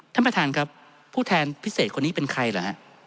ท่านประธานครับผู้แทนพิเศษคนนี้เป็นใครเหรอฮะ